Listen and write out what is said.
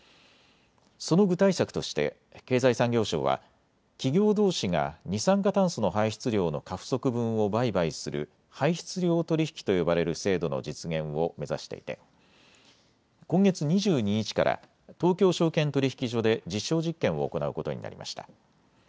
その具体策として経済産業省は企業どうしが二酸化炭素の排出量の過不足分を売買する排出量取引と呼ばれる制度の実現を目指していて今月２２日から東京証券取引所で実証実験を行うことになりました。